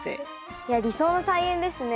いや理想の菜園ですね。